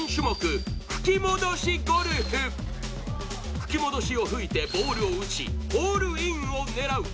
吹き戻しを吹いてボールを打ちホールインを狙う。